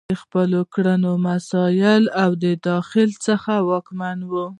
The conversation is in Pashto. د خپلو کړنو مسؤل او د داخل څخه ځواکمن وي.